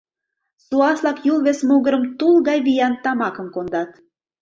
Суас-влак Юл вес могырым тул гай виян тамакым кондат.